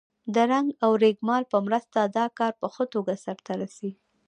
د رنګ او رېګمال په مرسته دا کار په ښه توګه سرته رسیږي.